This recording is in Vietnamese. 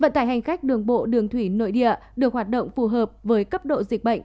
vận tải hành khách đường bộ đường thủy nội địa được hoạt động phù hợp với cấp độ dịch bệnh